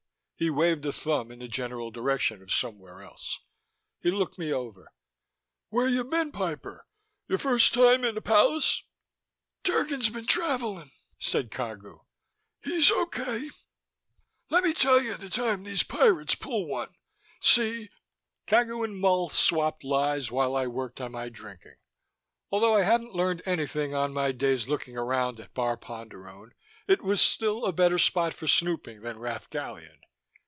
He waved a thumb in the general direction of somewhere else. He looked me over. "Where ya been, Piper? Your first time ina Palace?" "Drgon's been travelling," said Cagu. "He's okay. Lemme tell ya the time these pirates pull one, see...." Cagu and Mull swapped lies while I worked on my drinking. Although I hadn't learned anything on my day's looking around at Bar Ponderone, it was still a better spot for snooping than Rath Gallion.